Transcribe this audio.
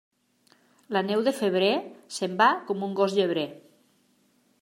La neu de febrer se'n va com un gos llebrer.